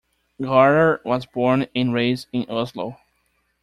Gaarder was born and raised in Oslo.